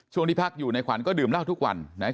ช่วงที่พักอยู่ในขวัญก็ดื่มล่าวทุกวันนะครับ